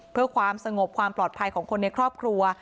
เพื่อความสงบความปลอดภัยของคนในครอบครัว